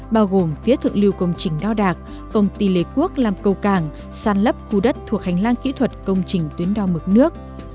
bao gồm phía thượng lưu công trình đo đạc công ty lề quốc làm cầu cảng sàn lấp khu đất thuộc hành lang kỹ thuật công trình tuyến đo mực nước